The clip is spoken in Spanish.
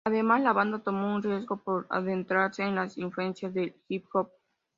Además, la banda tomó un riesgo por adentrarse en las influencias de hip hop.